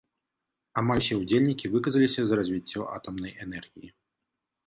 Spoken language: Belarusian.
Амаль усе ўдзельнікі выказаліся за развіццё атамнай энергіі.